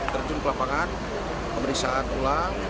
terjun ke lapangan pemeriksaan ulang